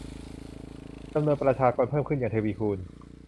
จำนวนประชากรเพิ่มขึ้นอย่างทวีคูณ